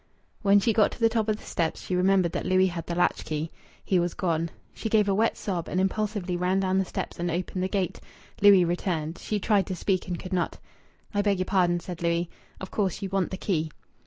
When she got to the top of the steps she remembered that Louis had the latch key. He was gone. She gave a wet sob and impulsively ran down the steps and opened the gate. Louis returned. She tried to speak and could not. "I beg your pardon," said Louis. "Of course you want the key."